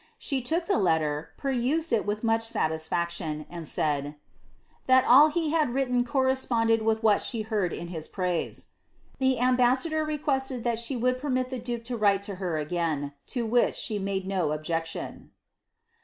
She took letter, perused it with much satisfaction, and said, *' that all he had ten corresponded with what she heard in his praise." The ambas >r requested that she would permit the duke to write to her agam, rhich she made no objection.